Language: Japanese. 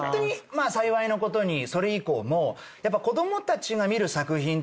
まあ幸いなことにそれ以降も。